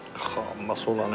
うまそうだね